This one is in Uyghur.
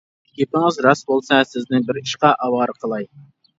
گېپىڭىز راست بولسا سىزنى بىر ئىشقا ئاۋارە قىلاي.